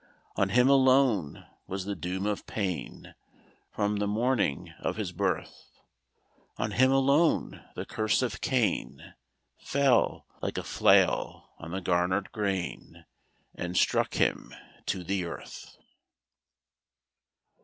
On him alone was the doom of pain, From the morning of his birth; On him alone the curse of Cain Fell, like a flail on the garnered grain, And struck him to the earth!